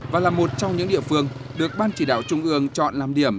và là một trong những địa phương được ban chỉ đạo trung ương chọn làm điểm